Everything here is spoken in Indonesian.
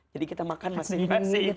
kita makan masing masing